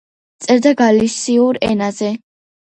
წერდა გალისიურ ენაზე.